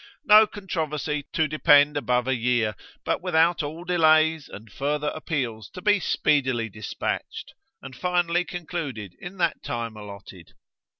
No controversy to depend above a year, but without all delays and further appeals to be speedily despatched, and finally concluded in that time allotted.